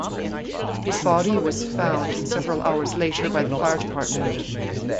His body was found several hours later by the fire department.